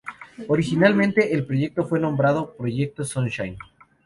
Originalmente, el proyecto fue nombrado "Proyecto Sunshine".